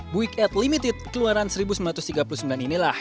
buick ad limited keluaran seribu sembilan ratus tiga puluh sembilan inilah